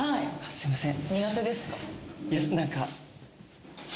すいません。